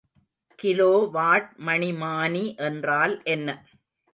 Kilowatt மணிமானி என்றால் என்ன?